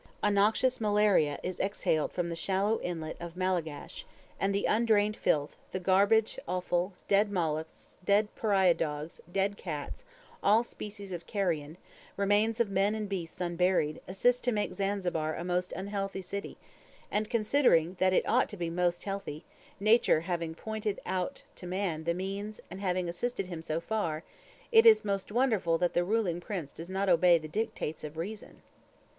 A noxious malaria is exhaled from the shallow inlet of Malagash, and the undrained filth, the garbage, offal, dead mollusks, dead pariah dogs, dead cats, all species of carrion, remains of men and beasts unburied, assist to make Zanzibar a most unhealthy city; and considering that it it ought to be most healthy, nature having pointed out to man the means, and having assisted him so far, it is most wonderful that the ruling prince does not obey the dictates of reason.